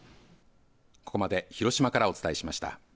ここまで広島からお伝えしました。